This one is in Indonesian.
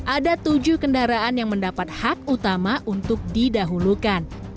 ada tujuh kendaraan yang mendapat hak utama untuk didahulukan